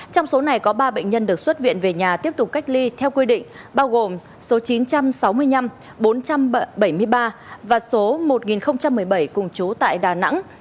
trong số này có ba bệnh nhân được xuất viện về nhà tiếp tục cách ly theo quy định bao gồm số chín trăm sáu mươi năm bốn trăm bảy mươi ba và số một nghìn một mươi bảy cùng chú tại đà nẵng